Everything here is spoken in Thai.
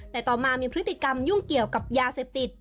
แต่ต่อมามีพฤติกรรมยุ่งเกี่ยวกับยาเสพติด